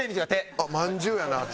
あっまんじゅうやな手。